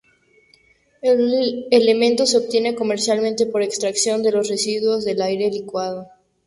El elemento se obtiene comercialmente por extracción de los residuos del aire licuado.